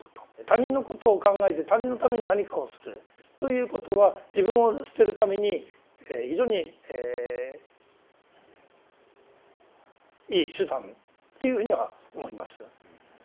他人のことを考えて他人のために何かをするということは自分を捨てるために非常にいい手段っていうふうには思います。